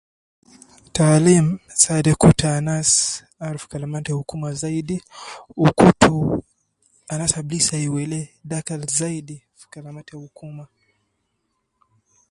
Taalim saade kutu anas aruf kalama ta hukuma zaidi, wu kutu anas ab lisa iwele dakal zaidi fi kalama ta hukuma